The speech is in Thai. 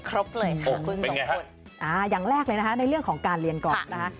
ครบเลยค่ะคุณสองคนอย่างแรกเลยนะคะในเรื่องของการเรียนก่อนนะคะ